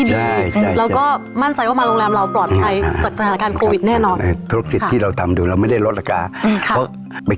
ให้เขามาแล้วเขาได้บริการที่ดี